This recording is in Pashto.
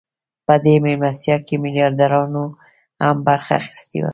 په دې مېلمستیا کې میلیاردرانو هم برخه اخیستې وه